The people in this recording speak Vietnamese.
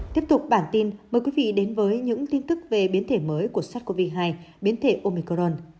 tiếp tục bản tin mời quý vị đến với những tin tức về biến thể mới của sars cov hai biến thể omicron